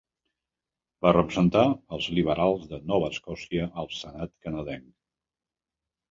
Va representar els liberals de Nova Escòcia al senat canadenc.